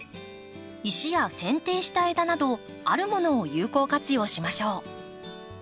石やせん定した枝などあるものを有効活用しましょう。